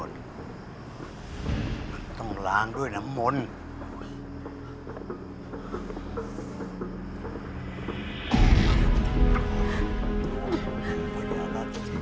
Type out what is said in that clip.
มันต้องลางด้วยนะมนต์